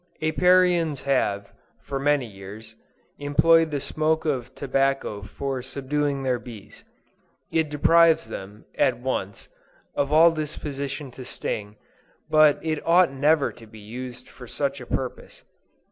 Apiarians have, for many years, employed the smoke of tobacco for subduing their bees. It deprives them, at once, of all disposition to sting, but it ought never to be used for such a purpose.